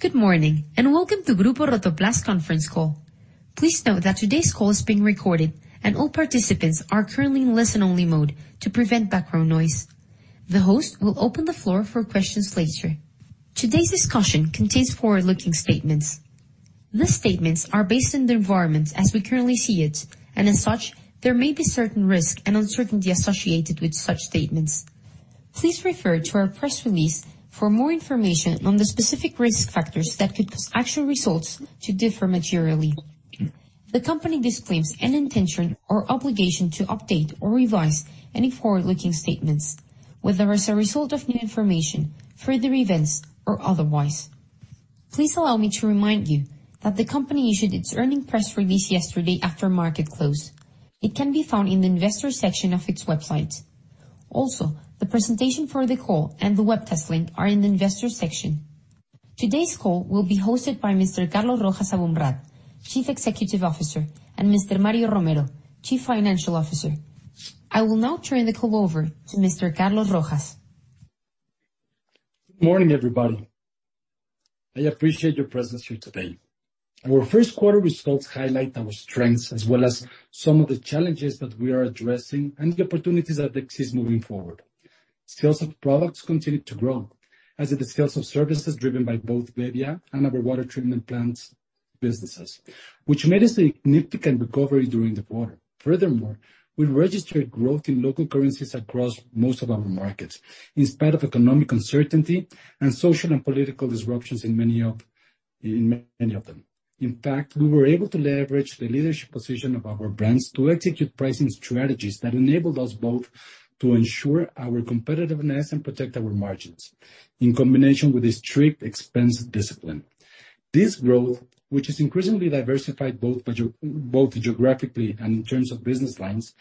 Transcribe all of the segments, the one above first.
Good morning, welcome to Grupo Rotoplas conference call. Please note that today's call is being recorded, all participants are currently in listen-only mode to prevent background noise. The host will open the floor for questions later. Today's discussion contains forward-looking statements. These statements are based on the environment as we currently see it, as such, there may be certain risk and uncertainty associated with such statements. Please refer to our press release for more information on the specific risk factors that could cause actual results to differ materially. The company disclaims any intention or obligation to update or revise any forward-looking statements, whether as a result of new information, further events or otherwise. Please allow me to remind you that the company issued its earnings press release yesterday after market close. It can be found in the investor section of its website. The presentation for the call and the web test link are in the investor section. Today's call will be hosted by Mr. Carlos Rojas Aboumrad, Chief Executive Officer, and Mr. Mario Romero, Chief Financial Officer. I will now turn the call over to Mr. Carlos Rojas. Good morning, everybody. I appreciate your presence here today. Our Q1 results highlight our strengths as well as some of the challenges that we are addressing and the opportunities that exist moving forward. Sales of products continued to grow, as did the sales of services driven by both Bebbia and our water treatment plants businesses, which made a significant recovery during the quarter. We registered growth in local currencies across most of our markets, in spite of economic uncertainty and social and political disruptions in many of them. We were able to leverage the leadership position of our brands to execute pricing strategies that enabled us both to ensure our competitiveness and protect our margins, in combination with a strict expense discipline. This growth, which is increasingly diversified both geographically and in terms of business lines,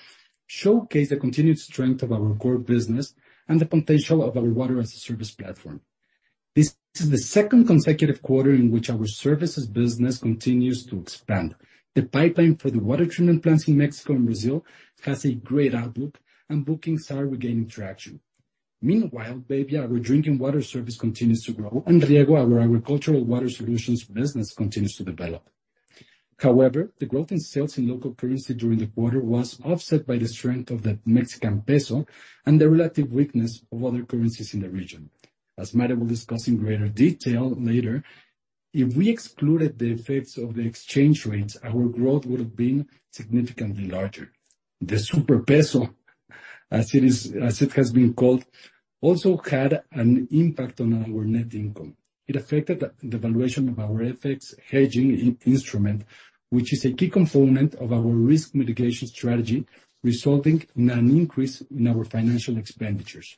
showcase the continued strength of our core business and the potential of our Water-as-a-Service platform. This is the second consecutive quarter in which our services business continues to expand. The pipeline for the water treatment plants in Mexico and Brazil has a great outlook, and bookings are regaining traction. Meanwhile, Bebbia, our drinking water service, continues to grow, and Rieggo, our agricultural water solutions business, continues to develop. However, the growth in sales in local currency during the quarter was offset by the strength of the Mexican peso and the relative weakness of other currencies in the region. As Mario will discuss in greater detail later, if we excluded the effects of the exchange rates, our growth would have been significantly larger. The super peso, as it has been called, also had an impact on our net income. It affected the valuation of our FX hedging instrument, which is a key component of our risk mitigation strategy, resulting in an increase in our financial expenditures.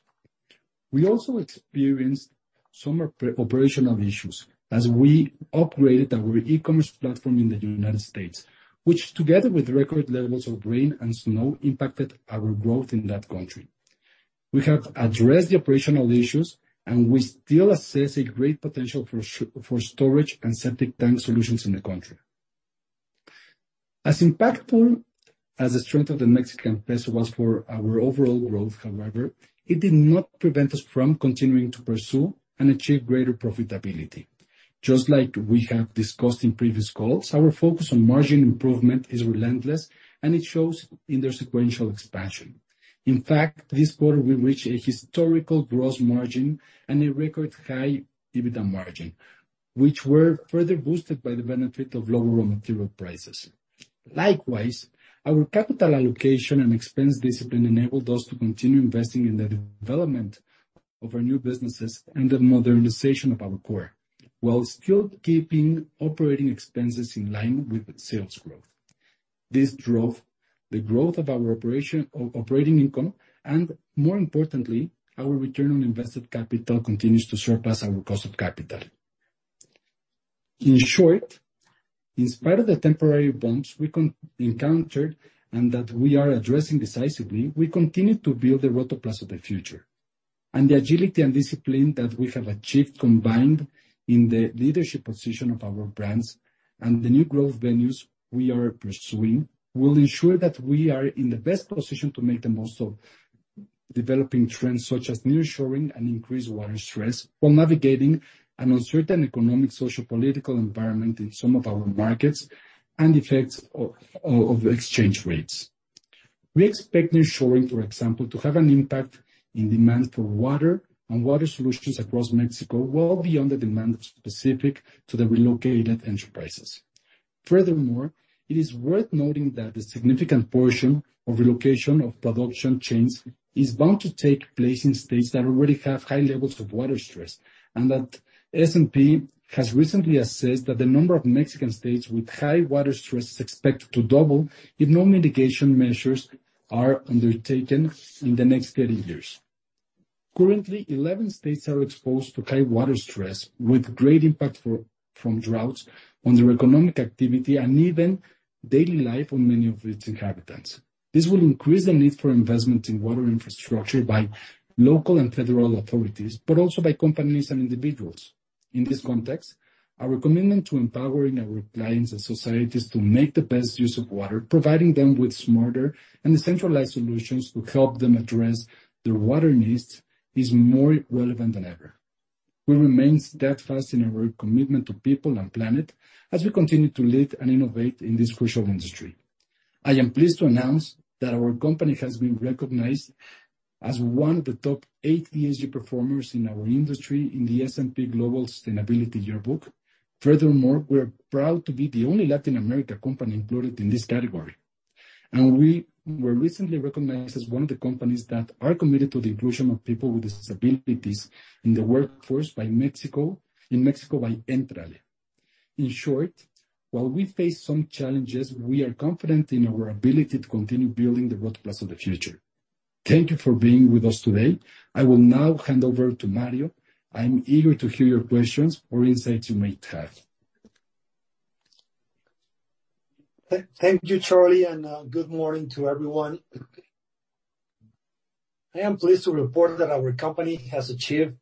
We also experienced some operational issues as we upgraded our e-commerce platform in the United States, which together with record levels of rain and snow, impacted our growth in that country. We have addressed the operational issues, and we still assess a great potential for storage and septic tank solutions in the country. As impactful as the strength of the Mexican peso was for our overall growth, however, it did not prevent us from continuing to pursue and achieve greater profitability. Just like we have discussed in previous calls, our focus on margin improvement is relentless, and it shows in their sequential expansion. In fact, this quarter we reached a historical gross margin and a record high EBITDA margin, which were further boosted by the benefit of lower raw material prices. Likewise, our capital allocation and expense discipline enabled us to continue investing in the development of our new businesses and the modernization of our core, while still keeping operating expenses in line with sales growth. This drove the growth of our operating income and, more importantly, our return on invested capital continues to surpass our cost of capital. In short, in spite of the temporary bumps we encountered and that we are addressing decisively, we continue to build the Rotoplas of the future. The agility and discipline that we have achieved, combined in the leadership position of our brands and the new growth venues we are pursuing, will ensure that we are in the best position to make the most of developing trends, such as nearshoring and increased water stress, while navigating an uncertain economic, social, political environment in some of our markets and effects of exchange rates. We expect nearshoring, for example, to have an impact in demand for water and water solutions across Mexico, well beyond the demand specific to the relocated enterprises. It is worth noting that the significant portion of relocation of production chains is bound to take place in states that already have high levels of water stress, that S&P has recently assessed that the number of Mexican states with high water stress is expected to double if no mitigation measures are undertaken in the next 30 years. Currently, 11 states are exposed to high water stress, with great impact from droughts on their economic activity and even daily life on many of its inhabitants. This will increase the need for investment in water infrastructure by local and federal authorities, but also by companies and individuals. In this context, our commitment to empowering our clients and societies to make the best use of water, providing them with smarter and decentralized solutions to help them address their water needs, is more relevant than ever. We remain steadfast in our commitment to people and planet as we continue to lead and innovate in this crucial industry. I am pleased to announce that our company has been recognized as one of the top eight ESG performers in our industry in the S&P Global Sustainability Yearbook. Furthermore, we're proud to be the only Latin America company included in this category. We were recently recognized as one of the companies that are committed to the inclusion of people with disabilities in the workforce in Mexico, by Éntrale. In short, while we face some challenges, we are confident in our ability to continue building the Rotoplas of the future. Thank you for being with us today. I will now hand over to Mario. I'm eager to hear your questions or insights you may have. Thank you, Charlie. Good morning to everyone. I am pleased to report that our company has achieved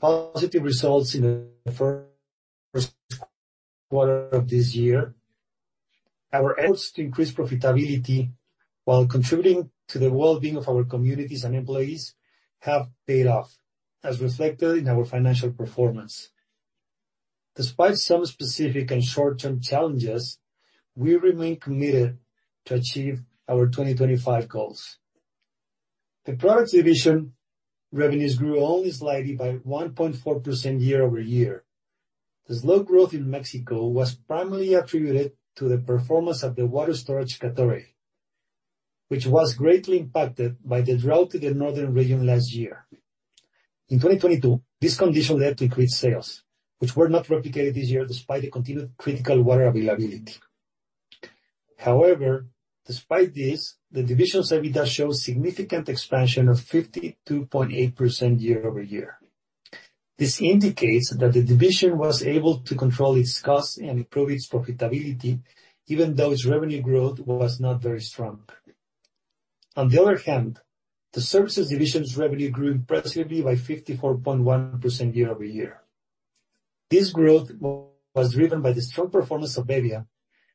positive results in the Q1 of this year. Our efforts to increase profitability while contributing to the well-being of our communities and employees have paid off, as reflected in our financial performance. Despite some specific and short-term challenges, we remain committed to achieve our 2025 goals. The products division revenues grew only slightly by 1.4% year-over-year. The slow growth in Mexico was primarily attributed to the performance of the water storage category, which was greatly impacted by the drought in the northern region last year. In 2022, this condition led to increased sales, which were not replicated this year despite the continued critical water availability. Despite this, the division's EBITDA shows significant expansion of 52.8% year-over-year. This indicates that the division was able to control its costs and improve its profitability, even though its revenue growth was not very strong. The services division's revenue grew impressively by 54.1% year-over-year. This growth was driven by the strong performance of Bebbia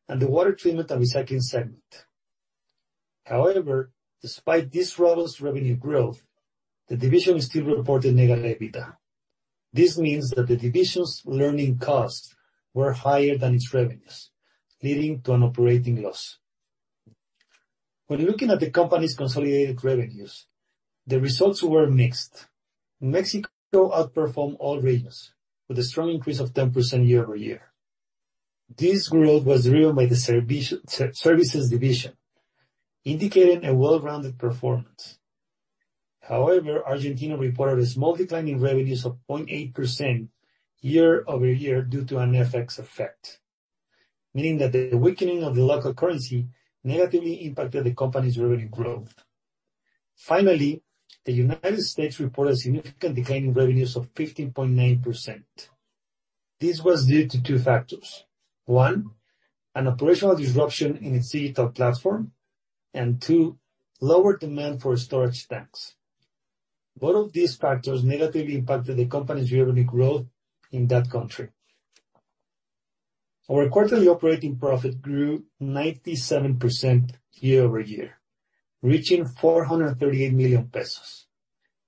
and the water treatment and recycling segment. Despite this robust revenue growth, the division still reported negative EBITDA. This means that the division's learning costs were higher than its revenues, leading to an operating loss. When looking at the company's consolidated revenues, the results were mixed. Mexico outperformed all regions with a strong increase of 10% year-over-year. This growth was driven by the services division, indicating a well-rounded performance. Argentina reported a small decline in revenues of 0.8% year-over-year due to an FX effect, meaning that the weakening of the local currency negatively impacted the company's revenue growth. The United States reported a significant decline in revenues of 15.9%. This was due to two factors. One, an operational disruption in its digital platform, and two, lower demand for storage tanks. Both of these factors negatively impacted the company's revenue growth in that country. Our quarterly operating profit grew 97% year-over-year, reaching 438 million pesos,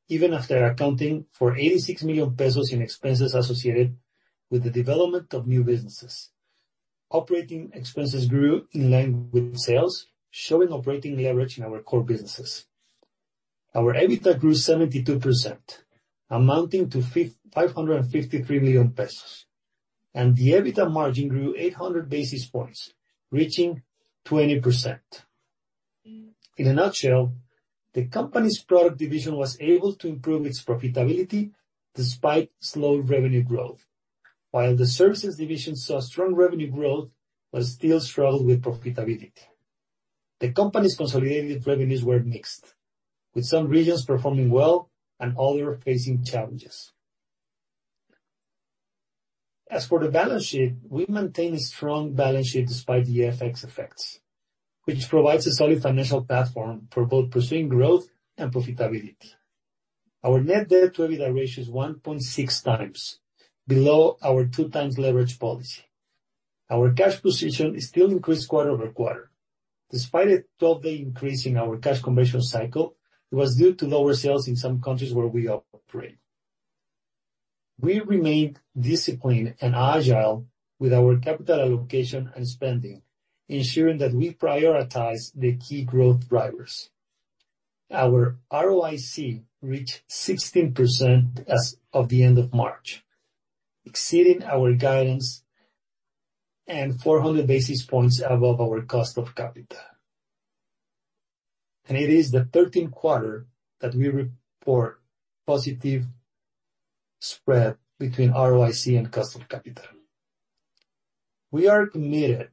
even after accounting for 86 million pesos in expenses associated with the development of new businesses. Operating expenses grew in line with sales, showing operating leverage in our core businesses. Our EBITDA grew 72%, amounting to 553 million pesos. The EBITDA margin grew 800 basis points, reaching 20%. In a nutshell, the company's product division was able to improve its profitability despite slow revenue growth. The services division saw strong revenue growth but still struggled with profitability. The company's consolidated revenues were mixed, with some regions performing well and others facing challenges. As for the balance sheet, we maintain a strong balance sheet despite the FX effects, which provides a solid financial platform for both pursuing growth and profitability. Our net debt to EBITDA ratio is 1.6x, below our 2x leverage policy. Our cash position is still increased quarter-over-quarter. Despite a 12-day increase in our cash conversion cycle, it was due to lower sales in some countries where we operate. We remain disciplined and agile with our capital allocation and spending, ensuring that we prioritize the key growth drivers. Our ROIC reached 16% as of the end of March, exceeding our guidance and 400 basis points above our cost of capital. It is the thirteenth quarter that we report positive spread between ROIC and cost of capital. We are committed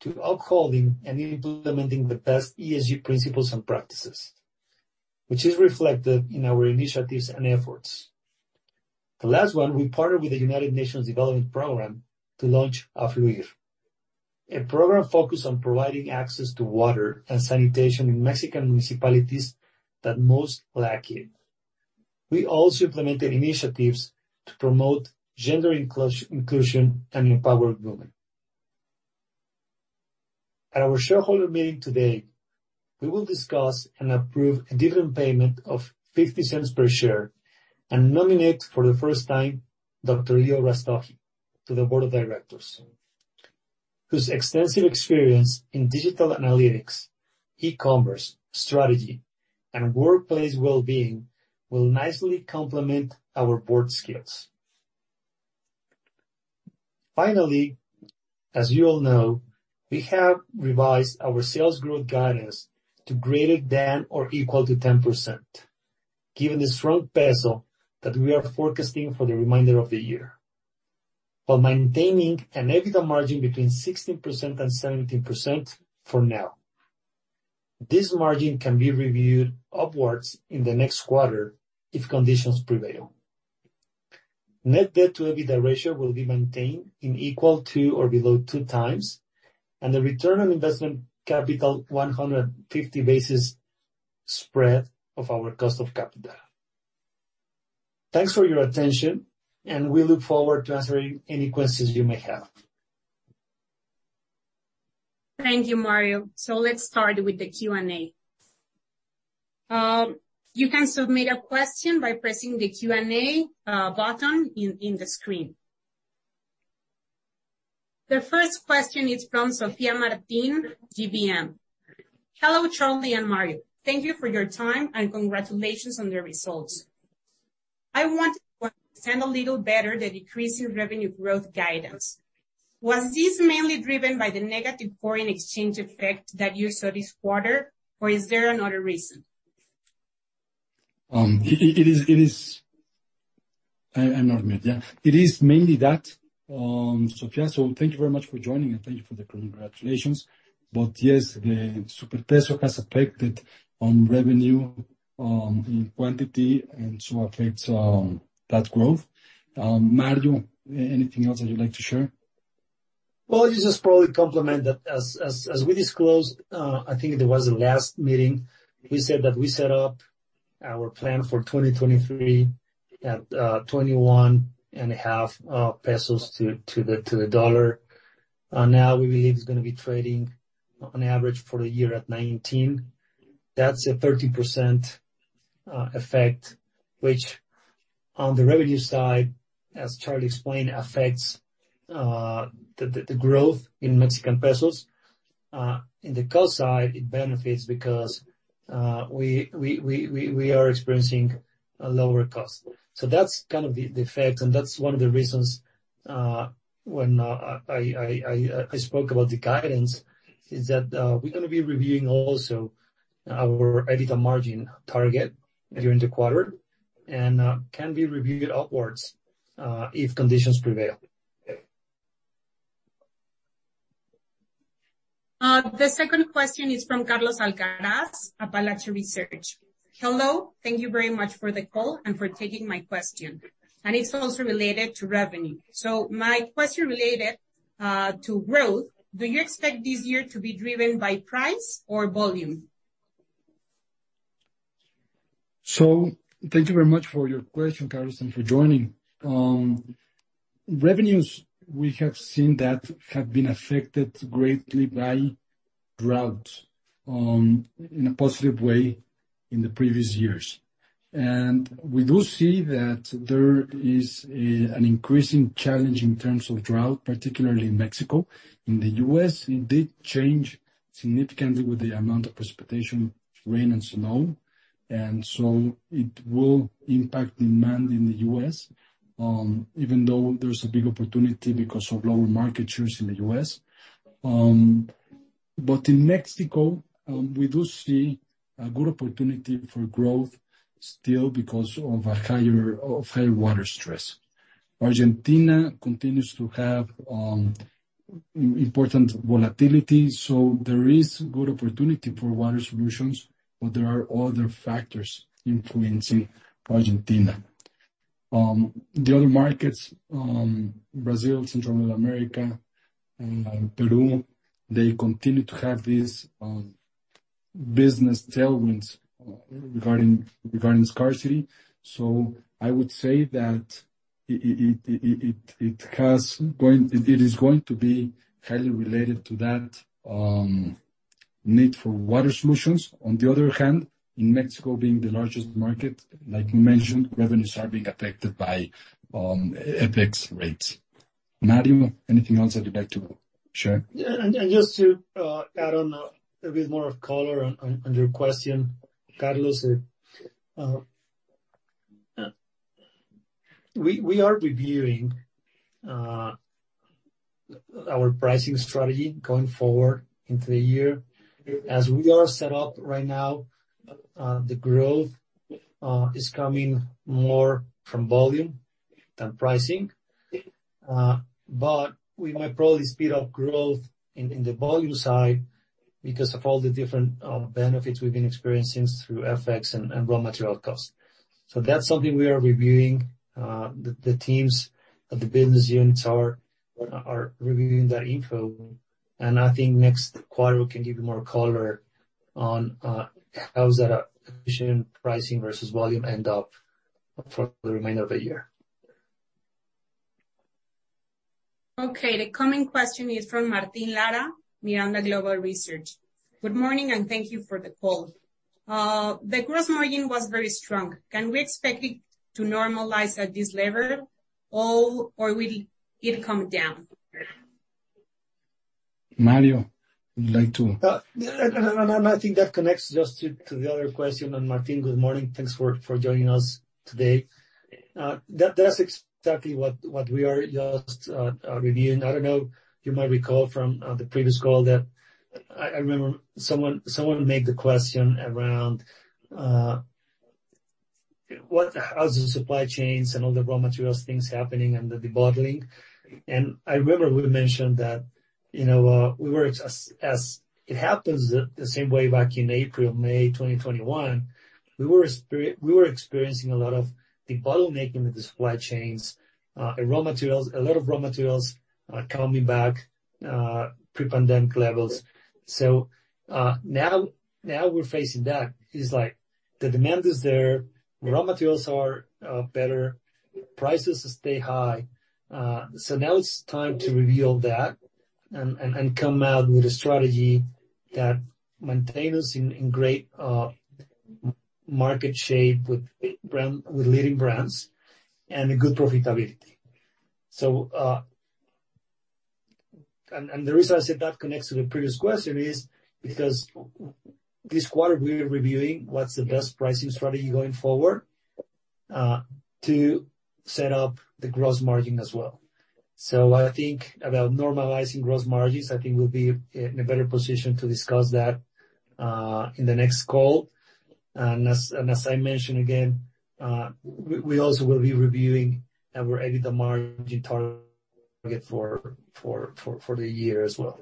to upholding and implementing the best ESG principles and practices, which is reflected in our initiatives and efforts. The last one, we partnered with the United Nations Development Programme to launch a Fluir, a program focused on providing access to water and sanitation in Mexican municipalities that most lack it. We also implemented initiatives to promote gender inclusion and empower women. At our shareholder meeting today, we will discuss and approve a dividend payment of 0.50 per share and nominate for the first time Dr. Leo Rastogi to the board of directors, whose extensive experience in digital analytics, e-commerce, strategy, and workplace well-being will nicely complement our board skills. Finally, as you all know, we have revised our sales growth guidance to greater than or equal to 10%, given the strong peso that we are forecasting for the remainder of the year, while maintaining an EBITDA margin between 16% and 17% for now. This margin can be reviewed upwards in the next quarter if conditions prevail. Net debt to EBITDA ratio will be maintained in equal to or below 2x, and the return on investment capital 150 basis spread of our cost of capital. Thanks for your attention, and we look forward to answering any questions you may have. Thank you, Mario. Let's start with the Q&A. You can submit a question by pressing the Q&A button in the screen. The first question is from Sofía Martin, GBM. Hello, Charlie and Mario. Thank you for your time, and congratulations on the results. I want to understand a little better the decrease in revenue growth guidance. Was this mainly driven by the negative foreign exchange effect that you saw this quarter, or is there another reason? It is. I'm not mute, yeah. It is mainly that, Sofía, so thank you very much for joining, and thank you for the congratulations. Yes, the super peso has affected on revenue in quantity and so affects that growth. Mario, anything else that you'd like to share? I'll just probably complement that as we disclosed, I think it was the last meeting, we said that we set up our plan for 2023 at 21.5 pesos to the dollar. Now we believe it's gonna be trading on average for the year at 19. That's a 30% effect, which on the revenue side, as Charlie explained, affects the growth in Mexican pesos. In the cost side, it benefits because we are experiencing a lower cost. That's kind of the effect, and that's one of the reasons when I spoke about the guidance, is that we're gonna be reviewing also our EBITDA margin target during the quarter, and can be reviewed upwards if conditions prevail. The second question is from Carlos Alcaraz, Appalachian Research. Hello. Thank you very much for the call and for taking my question. It's also related to revenue. My question related to growth, do you expect this year to be driven by price or volume? Thank you very much for your question, Carlos, and for joining. Revenues, we have seen that have been affected greatly by drought in a positive way in the previous years. We do see that there is an increasing challenge in terms of drought, particularly in Mexico. In the U.S., it did change significantly with the amount of precipitation, rain and snow, it will impact demand in the U.S. even though there's a big opportunity because of lower market shares in the U.S. In Mexico, we do see a good opportunity for growth still because of high water stress. Argentina continues to have important volatility, there is good opportunity for water solutions, there are other factors influencing Argentina. The other markets, Brazil, Central America, Peru, they continue to have these business tailwinds regarding scarcity. I would say that it is going to be highly related to that need for water solutions. On the other hand, in Mexico being the largest market, like you mentioned, revenues are being affected by FX rates. Mario, anything else you'd like to share? Yeah. Just to add on a bit more of color on your question, Carlos, we are reviewing our pricing strategy going forward into the year. As we are set up right now, the growth is coming more from volume than pricing. We might probably speed up growth in the volume side because of all the different benefits we've been experiencing through FX and raw material costs. That's something we are reviewing. The teams of the business units are reviewing that info. I think next quarter we can give you more color on how that efficient pricing versus volume end up for the remainder of the year. Okay. The coming question is from Martín Lara, Miranda Global Research. Good morning. Thank you for the call. The gross margin was very strong. Can we expect it to normalize at this level or will it come down? Mario, would you like? I think that connects just to the other question. Martín, good morning. Thanks for joining us today. That's exactly what we are just reviewing. I don't know, you might recall from the previous call that I remember someone made the question around what—how the supply chains and all the raw materials things happening and the debottling. I remember we mentioned that, you know, we were as it happens the same way back in April, May 2021, we were experiencing a lot of debottlenecking of the supply chains and raw materials. A lot of raw materials are coming back pre-pandemic levels. Now we're facing that. It's like the demand is there, raw materials are better, prices stay high. Now it's time to reveal that and come out with a strategy that maintain us in great market shape with leading brands and a good profitability. The reason I said that connects to the previous question is because this quarter we're reviewing what's the best pricing strategy going forward to set up the gross margin as well. I think about normalizing gross margins, I think we'll be in a better position to discuss that in the next call. As I mentioned again, we also will be reviewing and we're editing the margin target for the year as well.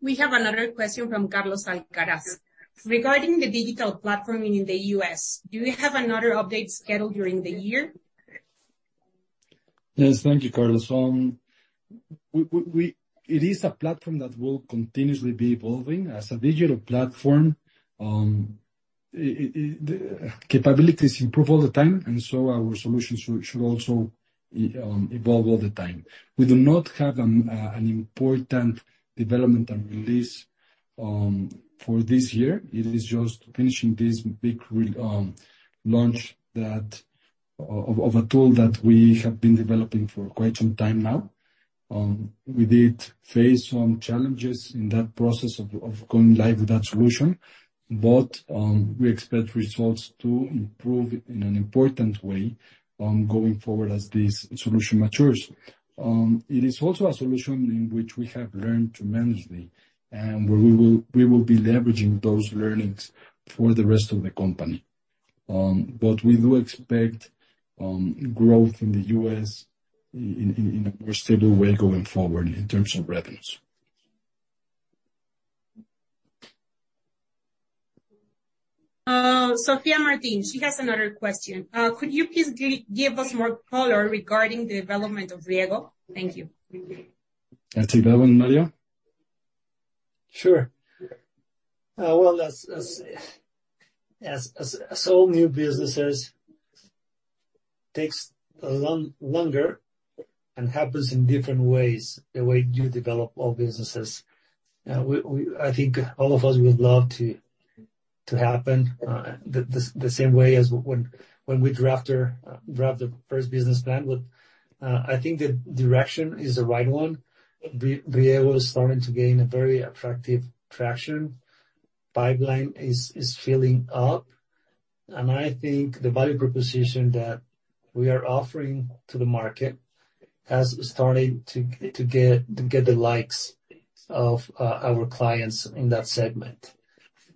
We have another question from Carlos Alcaraz. Regarding the digital platform in the U.S., do you have another update scheduled during the year? Yes. Thank you, Carlos. It is a platform that will continuously be evolving. As a digital platform, the capabilities improve all the time, and so our solutions should also evolve all the time. We do not have an important development and release for this year. It is just finishing this big launch of a tool that we have been developing for quite some time now. We did face some challenges in that process of going live with that solution, but we expect results to improve in an important way going forward as this solution matures. It is also a solution in which we have learned tremendously, and we will be leveraging those learnings for the rest of the company. We do expect growth in the U.S. in a more stable way going forward in terms of revenues. Sofía Martin, she has another question. Could you please give us more color regarding the development of Rieggo? Thank you. You want to take that one, Mario? Sure. Well, as all new businesses, takes a longer and happens in different ways, the way you develop all businesses. We, I think all of us would love to happen the same way as when we draft our draft the first business plan. I think the direction is the right one. Rieggo is starting to gain a very attractive traction. Pipeline is filling up. I think the value proposition that we are offering to the market has started to get the likes of our clients in that segment.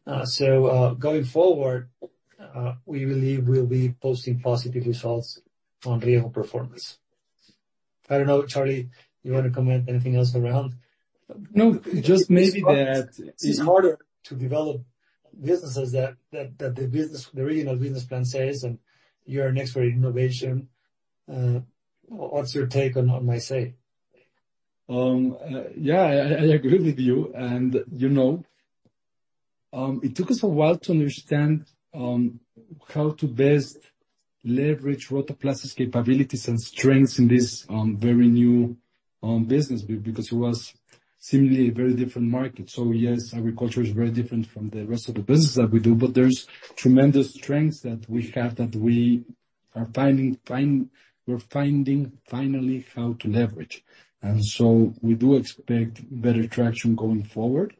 Going forward, we believe we'll be posting positive results on Rieggo performance. I don't know, Charlie, you wanna comment anything else around? No, just maybe that- It's harder to develop businesses that the business, the original business plan says, and you're an expert in innovation. What's your take on what I'm saying? Yeah, I agree with you. You know, it took us a while to understand how to best leverage Rotoplas's capabilities and strengths in this very new business because it was seemingly a very different market. Yes, agriculture is very different from the rest of the business that we do, but there's tremendous strengths that we have that we are finding finally how to leverage. We do expect better traction going forward.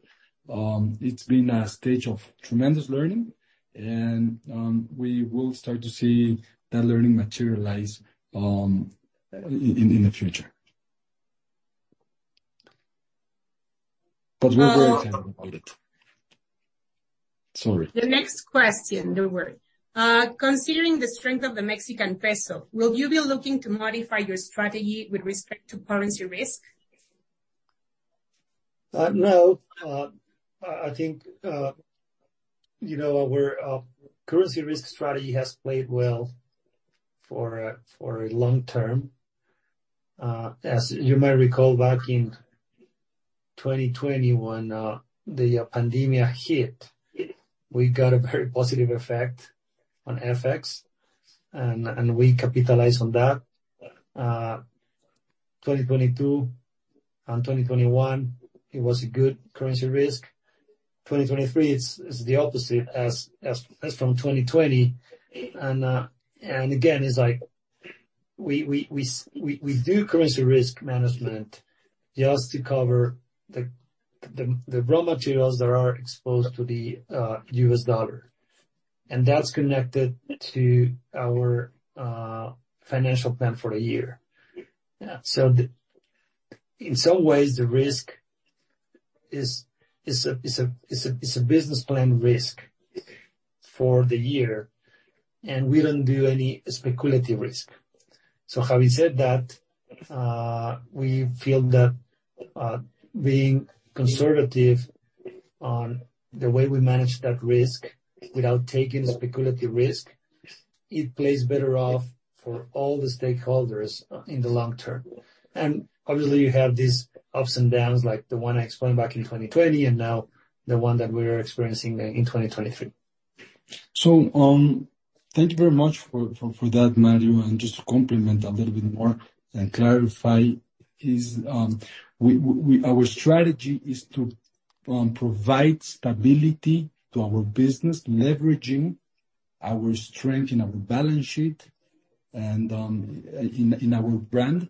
It's been a stage of tremendous learning and, we will start to see that learning materialize in the future. We're very excited about it. Sorry. The next question. Don't worry. Considering the strength of the Mexican Peso, will you be looking to modify your strategy with respect to currency risk? No. I think, you know, our currency risk strategy has played well for a long term. As you may recall, back 2020, when the pandemia hit, we got a very positive effect on FX, and we capitalized on that. 2022 and 2021, it was a good currency risk. 2023 it's the opposite as from 2020. Again, it's like we do currency risk management just to cover the raw materials that are exposed to the U.S. dollar. That's connected to our financial plan for a year. In some ways, the risk is a business plan risk for the year, and we don't do any speculative risk. Having said that, we feel that, being conservative on the way we manage that risk without taking speculative risk, it plays better off for all the stakeholders, in the long term. Obviously, you have these ups and downs, like the one I explained back in 2020 and now the one that we're experiencing in 2023. Thank you very much for that, Mario. Just to complement a little bit more and clarify is, our strategy is to provide stability to our business, leveraging our strength in our balance sheet and in our brand.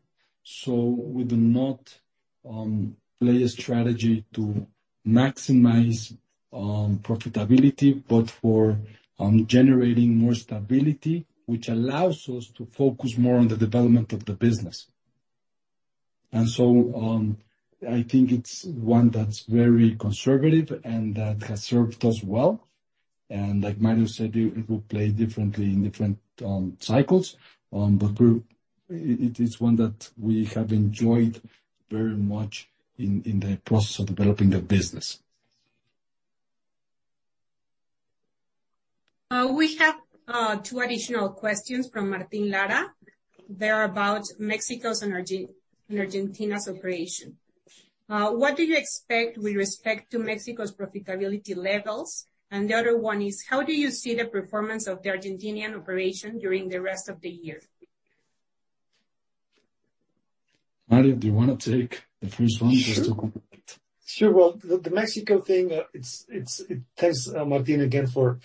We do not play a strategy to maximize profitability, but for generating more stability, which allows us to focus more on the development of the business. I think it's one that's very conservative and that has served us well. Like Mario said, it will play differently in different cycles. It is one that we have enjoyed very much in the process of developing the business. We have two additional questions from Martín Lara. They're about Mexico's and Argentina's operation. What do you expect with respect to Mexico's profitability levels? The other one is, how do you see the performance of the Argentinian operation during the rest of the year? Mario, do you wanna take the first one just to... Sure. Well, the Mexico thing, Thanks, Martín, again for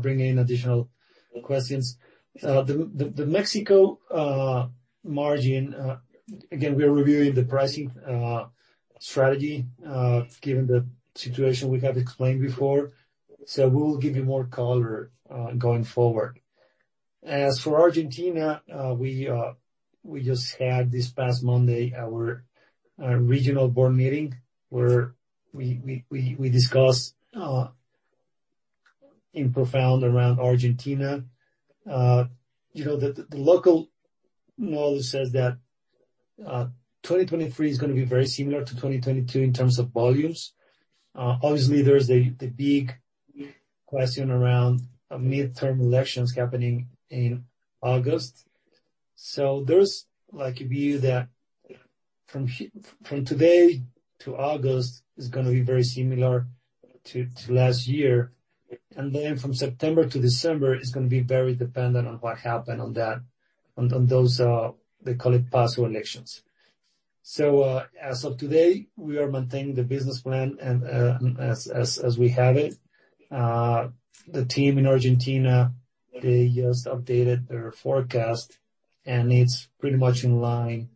bringing additional questions. The Mexico margin, again, we are reviewing the pricing strategy given the situation we have explained before. We will give you more color going forward. As for Argentina, we just had this past Monday our regional board meeting, where we discussed in profound around Argentina. You know, the local model says that 2023 is gonna be very similar to 2022 in terms of volumes. Obviously, there's the big question around midterm elections happening in August. There's like a view that from today to August is gonna be very similar to last year. From September to December, it's gonna be very dependent on what happened on those, they call it PASO elections. As of today, we are maintaining the business plan and as we have it. The team in Argentina, they just updated their forecast, and it's pretty much in line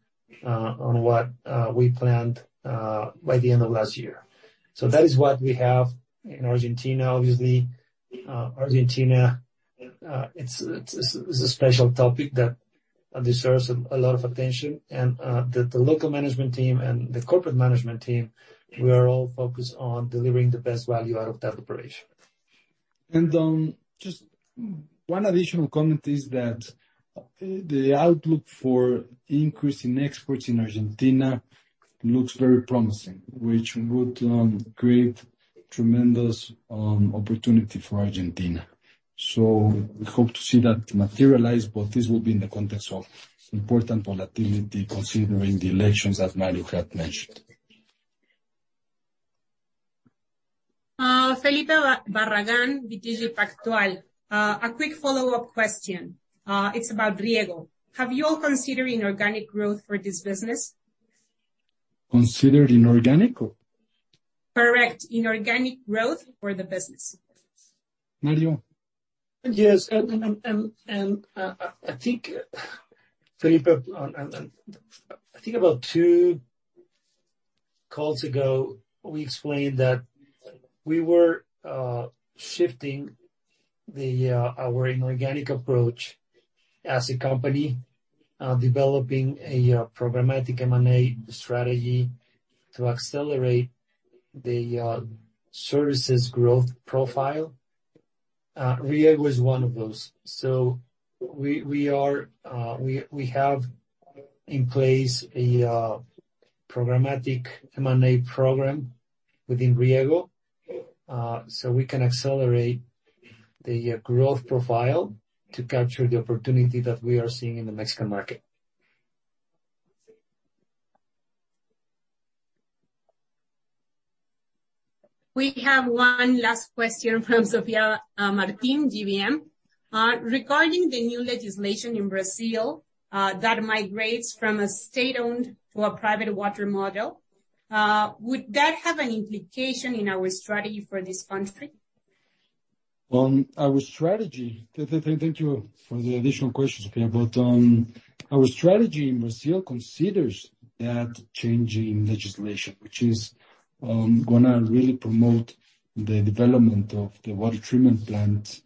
on what we planned by the end of last year. That is what we have in Argentina. Obviously, Argentina, it's a special topic that deserves a lot of attention. The local management team and the corporate management team, we are all focused on delivering the best value out of that operation. Just one additional comment is that the outlook for increase in exports in Argentina looks very promising, which would, create tremendous, opportunity for Argentina. We hope to see that materialize, but this will be in the context of important volatility considering the elections as Mario had mentioned. Felipe Barragán with BTG Pactual. A quick follow-up question. It's about Rieggo. Have you all considered inorganic growth for this business? Considered inorganic? Correct. Inorganic growth for the business. Mario. Yes. I think, Felipa, and I think about two calls ago, we explained that we were shifting the our inorganic approach as a company, developing a programmatic M&A strategy to accelerate the services growth profile. Rieggo is one of those. We are, we have in place a programmatic M&A program within Rieggo. We can accelerate the growth profile to capture the opportunity that we are seeing in the Mexican market. We have one last question from Sofía Martin, GBM. Regarding the new legislation in Brazil, that migrates from a state-owned to a private water model, would that have an implication in our strategy for this country? Our strategy. Thank you for the additional question, Sofía, our strategy in Brazil considers that change in legislation, which is gonna really promote the development of the water treatment plant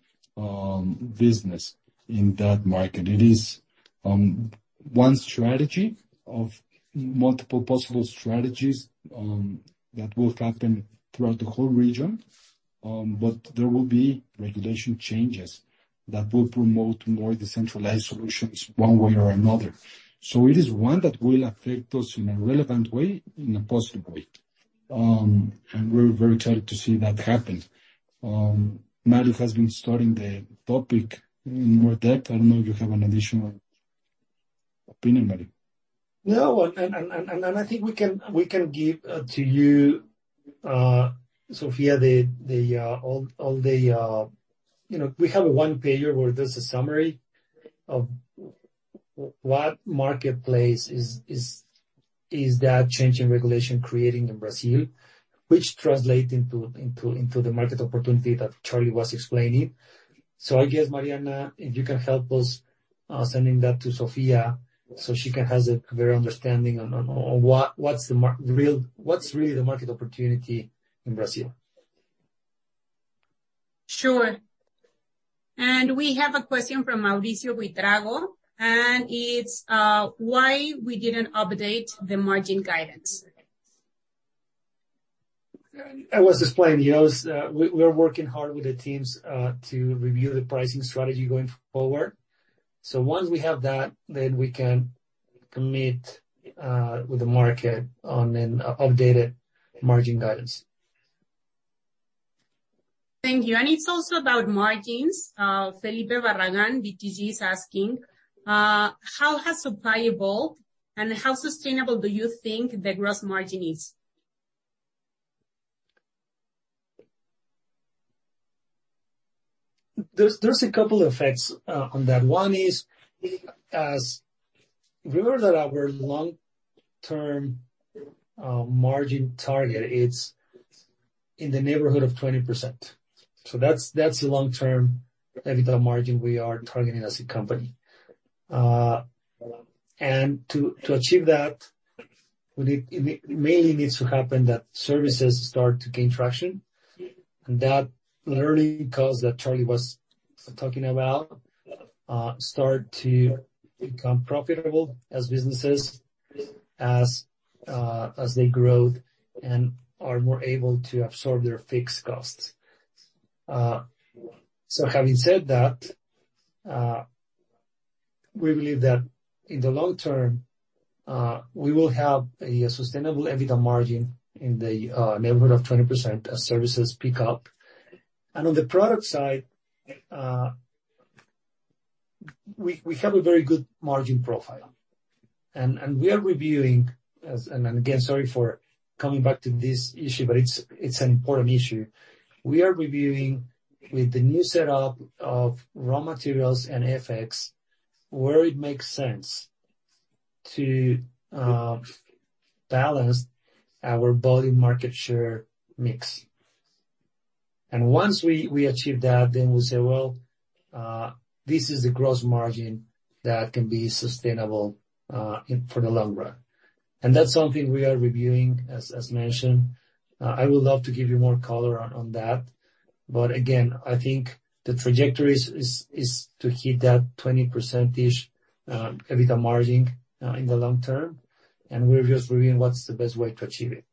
business in that market. It is one strategy of multiple possible strategies that will happen throughout the whole region. There will be regulation changes that will promote more decentralized solutions one way or another. It is one that will affect us in a relevant way, in a positive way. We're very excited to see that happen. Mario has been studying the topic in more depth. I don't know if you have an additional opinion, Mario? No. I think we can give to you, Sofía, the all the- You know, we have one page where there's a summary of what marketplace is that change in regulation creating in Brazil, which translate into the market opportunity that Charlie was explaining. I guess, Mariana, if you can help us sending that to Sofía so she can have a clear understanding on what's really the market opportunity in Brazil. Sure. We have a question from Mauricio Buitrago, and it's, why we didn't update the margin guidance. I was explaining, yes, we are working hard with the teams to review the pricing strategy going forward. Once we have that, we can commit with the market on an updated margin guidance. Thank you. It's also about margins. Felipe Barragan, BTG, is asking, how has supply evolved, and how sustainable do you think the gross margin is? There's a couple effects on that. One is. Remember that our long-term margin target is in the neighborhood of 20%. That's the long-term EBITDA margin we are targeting as a company. To achieve that, it mainly needs to happen that services start to gain traction. That early calls that Charlie was talking about, start to become profitable as businesses as they grow and are more able to absorb their fixed costs. Having said that, we believe that in the long term, we will have a sustainable EBITDA margin in the neighborhood of 20% as services pick up. On the product side, we have a very good margin profile and we are reviewing. Again, sorry for coming back to this issue, but it's an important issue. We are reviewing with the new set up of raw materials and FX, where it makes sense to balance our volume market share mix. Once we achieve that, then we say, well, this is the gross margin that can be sustainable for the long run. That's something we are reviewing, as mentioned. I would love to give you more color on that. Again, I think the trajectory is to hit that 20% EBITDA margin in the long term. We're just reviewing what's the best way to achieve it.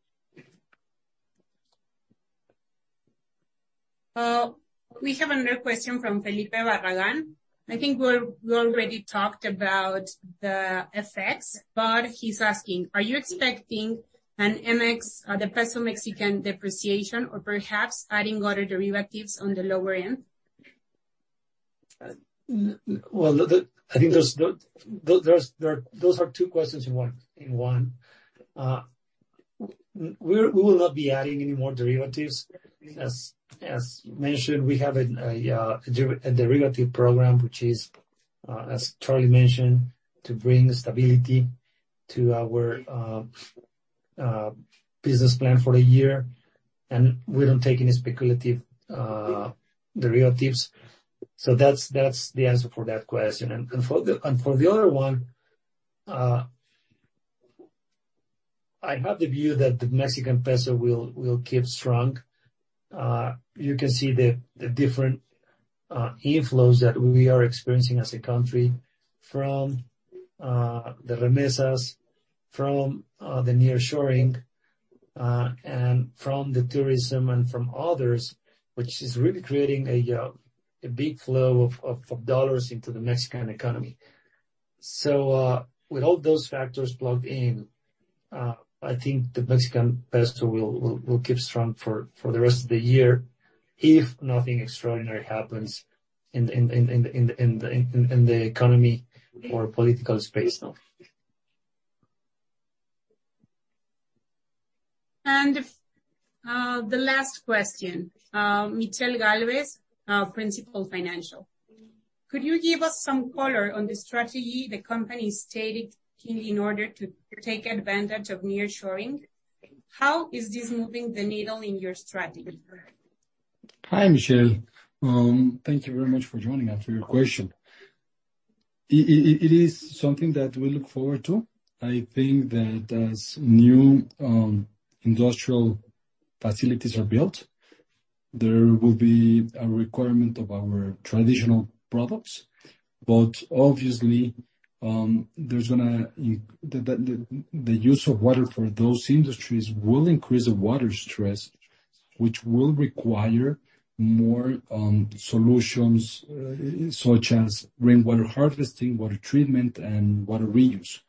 We have another question from Felipe Barragan. I think we already talked about the effects, but he's asking, are you expecting an MX, the peso Mexican depreciation or perhaps adding other derivatives on the lower end? Well, look, I think those are two questions in one. We will not be adding any more derivatives. As mentioned, we have a derivative program, which is as Charlie mentioned, to bring stability to our business plan for the year. We don't take any speculative derivatives. That's the answer for that question. For the other one, I have the view that the Mexican peso will keep strong. You can see the different inflows that we are experiencing as a country from the remesas, from the nearshoring, and from the tourism and from others, which is really creating a big flow of dollars into the Mexican economy. With all those factors plugged in, I think the Mexican peso will keep strong for the rest of the year if nothing extraordinary happens in the economy or political space, no. The last question. Michelle Gálvez, Principal Financial. Could you give us some color on the strategy the company stated in order to take advantage of nearshoring? How is this moving the needle in your strategy? Hi, Michelle. Thank you very much for joining us and for your question. It is something that we look forward to. I think that as new industrial facilities are built, there will be a requirement of our traditional products. Obviously, the use of water for those industries will increase the water stress, which will require more solutions such as rainwater harvesting, water treatment, and water reuse.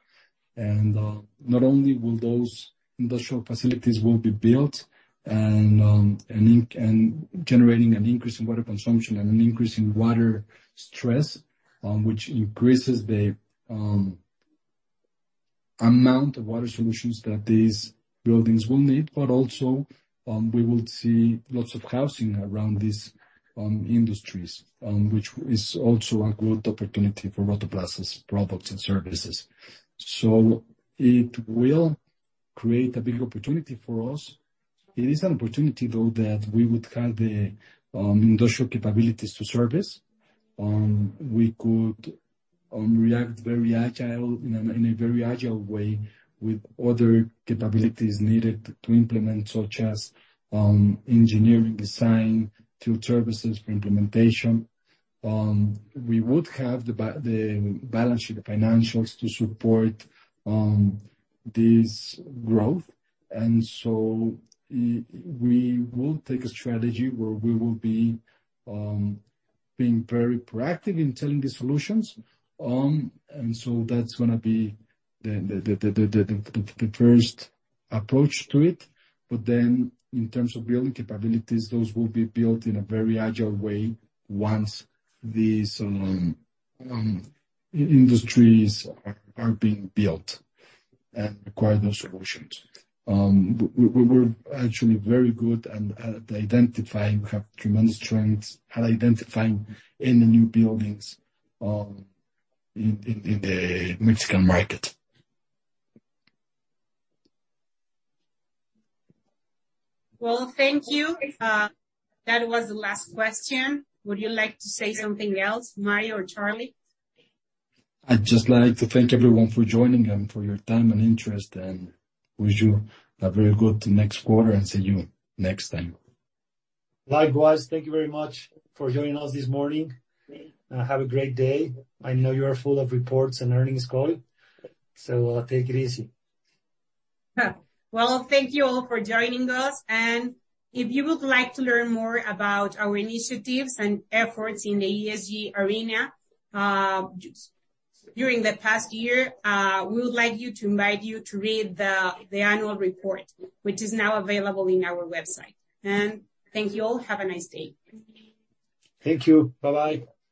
Not only will those industrial facilities be built and generating an increase in water consumption and an increase in water stress, which increases the amount of water solutions that these buildings will need, but also, we will see lots of housing around these industries, which is also a good opportunity for Water Plus's products and services. It will create a big opportunity for us. It is an opportunity though, that we would have the industrial capabilities to service. We could react very agile, in a very agile way with other capabilities needed to implement, such as engineering design to services for implementation. We would have the balanced financials to support this growth. We will take a strategy where we will be being very proactive in selling these solutions. That's gonna be the first approach to it. In terms of building capabilities, those will be built in a very agile way once these industries are being built and require those solutions. We're actually very good at identifying. We have tremendous strengths at identifying any new buildings, in the Mexican market. Thank you. That was the last question. Would you like to say something else, Mario or Charlie? I'd just like to thank everyone for joining and for your time and interest, and wish you a very good next quarter, and see you next time. Likewise. Thank you very much for joining us this morning. Have a great day. I know you are full of reports and earnings call. Take it easy. Well, thank you all for joining us. If you would like to learn more about our initiatives and efforts in the ESG arena, during the past year, we would like you to invite you to read the annual report, which is now available in our website. Thank you all. Have a nice day. Thank you. Bye-bye.